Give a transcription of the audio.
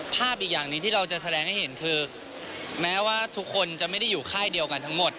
อีกอย่างหนึ่งที่เราจะแสดงให้เห็นคือแม้ว่าทุกคนจะไม่ได้อยู่ค่ายเดียวกันทั้งหมด